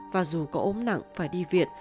và dù có ốm nặng phải đi viện